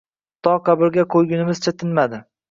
To qabrga qo‘ygunimizcha tinmadi.